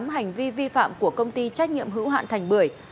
tám hành vi vi phạm của công ty trách nhiệm hữu hạn thành bưởi